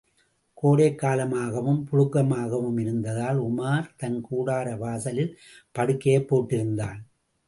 கோடைக் காலமாகவும், புழுக்கமாகவும் இருந்ததால், உமார் தன் கூடார வாசலில் படுக்கையைப் போட்டிருந்தான்.